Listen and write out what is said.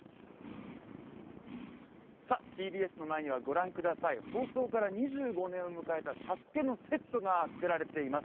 ＴＢＳの前には御覧ください、放送から２５年を迎えた「ＳＡＳＵＫＥ」のセットが作られています。